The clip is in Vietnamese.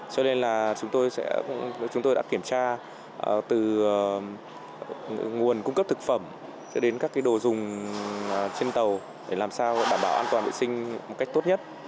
cho nên là chúng tôi chúng tôi đã kiểm tra từ nguồn cung cấp thực phẩm cho đến các đồ dùng trên tàu để làm sao đảm bảo an toàn vệ sinh một cách tốt nhất